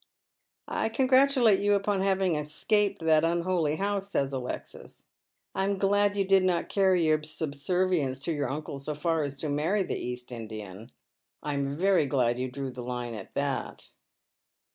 " I congratulate you upon having escaped that unholy house," says Alexis. " I am glad you did not carry your subservience to your uncle so far as to marry the East Indian. I am veiy glad you drew the line at that."